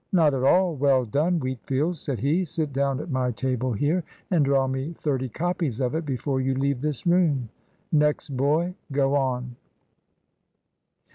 "Not at all well done, Wheatfield," said he. "Sit down at my table here and draw me thirty copies of it before you leave this room. Next boy, go on."